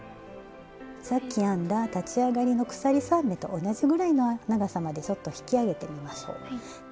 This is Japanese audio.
さっき編んだ立ち上がりの鎖３目と同じぐらいの長さまでちょっと引き上げてみましょう。